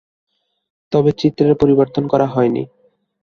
তবে চিত্রের পরিবর্তন করা হয়নি।